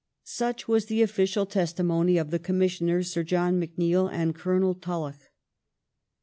'' Such was the official testimony of the Commissionei'S, Sir John McNeill and Colonel Tulloch.